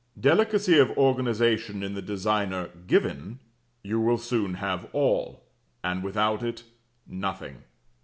Delicacy of organization in the designer given, you will soon have all, and without it, nothing.